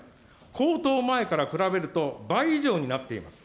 高騰前から比べると倍以上になっています。